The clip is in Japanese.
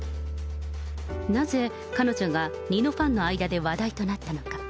なぜ、彼女がニノファンの間で話題となったのか。